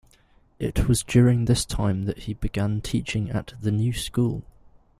It was during this time that he began teaching at The New School.